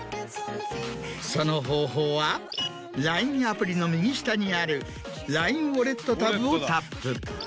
その方法はＬＩＮＥアプリの右下にあるＬＩＮＥウォレットタブをタップ。